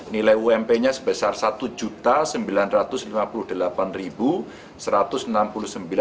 nilai ump nya sebesar rp satu sembilan ratus lima puluh delapan satu ratus enam puluh sembilan